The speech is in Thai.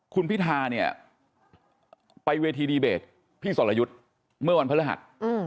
คุณพิธาเนี่ยไปเวทีดีเบตพี่สรยุทธ์เมื่อวันพระฤหัส